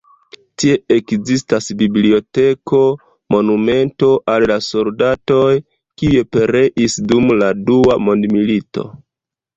Tie ekzistas biblioteko, monumento al la soldatoj, kiuj pereis dum la Dua Mondmilito.